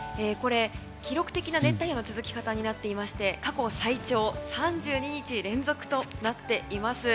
記録的な熱帯夜の続き方になっていまして過去最長３２日連続となっています。